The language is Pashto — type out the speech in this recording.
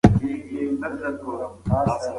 زده کوونکي همدا اوس په خپله مورنۍ ژبه درس لولي.